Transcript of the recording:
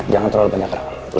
jangan terlalu banyak